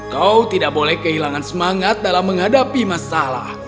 kau tidak boleh kehilangan semangat dalam menghadapi masalah